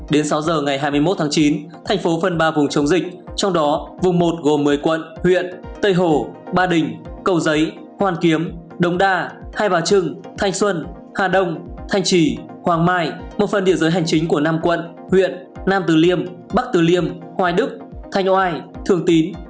đến sáu giờ ngày hai mươi một tháng chín thành phố phần ba vùng chống dịch trong đó vùng một gồm một mươi quận huyện tây hồ ba đình cầu giấy hoàn kiếm đông đa hai bà trưng thanh xuân hà đông thanh trì hoàng mai một phần địa giới hành chính của năm quận huyện nam từ liêm bắc từ liêm hoài đức thanh oai thường tín